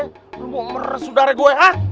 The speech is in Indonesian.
lu mau meres udara gue ha